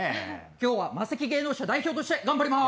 今日はマセキ芸能社代表として頑張ります！